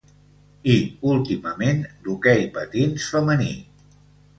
I últimament, d’hoquei patins femení.